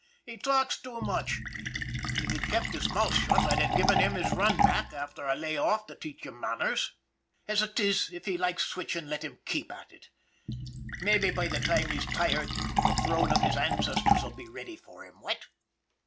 He talks too much. If he'd kept his mouth shut I'd have given him his run back, after a lay off to teach him manners. As 198 ON THE IRON AT BIG CLOUD it is, if he likes switching let him keep at it. Mabbe by the time he's tired the throne of his ancestors'll be ready for him, what